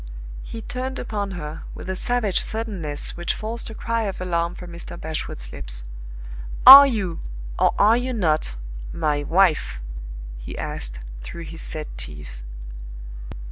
He turned upon her, with a savage suddenness which forced a cry of alarm from Mr. Bashwood's lips. "Are you, or are you not, My Wife?" he asked, through his set teeth.